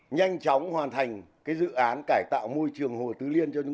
nhanh chóng hoàn thành dự án cải tạo môi trường hồ tứ liên